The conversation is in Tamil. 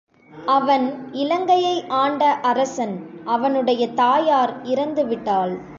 அவன் இலங்கையை ஆண்ட அரசன் அவனுடைய தாயார் இறந்து விட்டாள்.